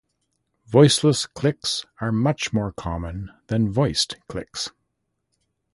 Voiceless clicks are much more common than voiced clicks.